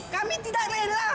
kami tidak rela